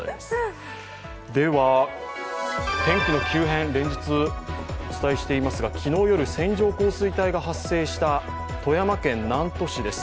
天気の急変連日お伝えしていますが昨日夜、線状降水帯が発生した富山県南砺市です。